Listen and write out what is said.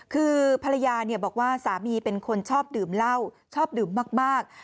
คือภรรยาบอกว่าสามีเป็นคนชอบดื่มเหล้าชอบดื่มมาก